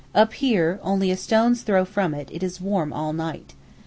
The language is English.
Up here, only a stone's throw from it, it is warm all night.